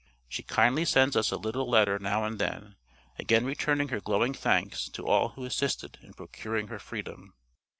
She kindly sends us a little letter now and then, again returning her glowing thanks to all who assisted in procuring her freedom.